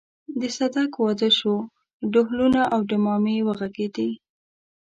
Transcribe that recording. د صدک واده شو ډهلونه او ډمامې وغږېدې.